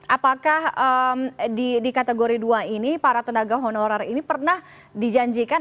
apakah di kategori dua ini para tenaga honorer ini pernah dijanjikan